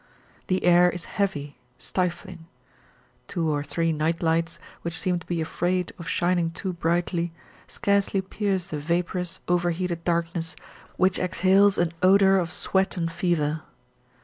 The air is heavy, stifling; two or three nightlights, which seem to be afraid of shining too brightly, scarcely pierce the vaporous, overheated darkness which exhales an odour of sweat and fever.